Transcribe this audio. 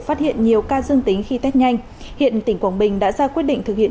phát hiện nhiều ca dương tính khi test nhanh hiện tỉnh quảng bình đã ra quyết định thực hiện